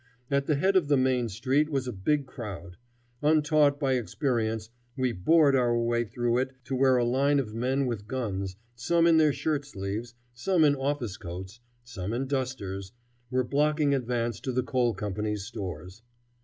At the head of the main street was a big crowd. Untaught by experience, we bored our way through it to where a line of men with guns, some in their shirt sleeves, some in office coats, some in dusters, were blocking advance to the coal company's stores.